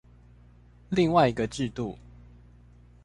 另外一個制度